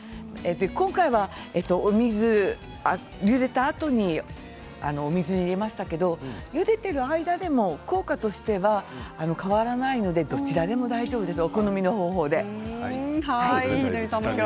今回はゆでたあとにお水を入れましたがゆでてる間でも効果としては変わらないのでどちらでも大丈夫です。